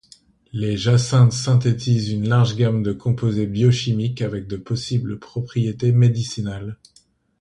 Les jacinthes synthétisent une large gamme de composés biochimiques avec de possibles propriétés médicinales.